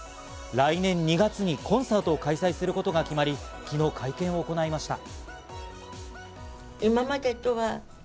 来年２月にコンサートを開催することが決まり、昨日会見を行いました。